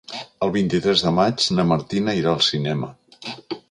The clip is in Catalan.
El vint-i-tres de maig na Martina irà al cinema.